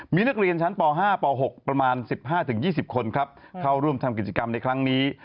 มีนักเรียนชั้นป๕ป๖ประมาณ๑๕๒๐คนครับเข้าร่วมทำกิจกรรมในครั้งนี้